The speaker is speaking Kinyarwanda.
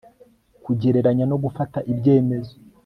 kugereranya no gufata ibyemezo